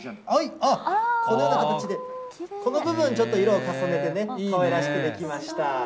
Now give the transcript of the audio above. あっ、このような形で、この部分ちょっと、色を重ねてね、かわいらしくできました。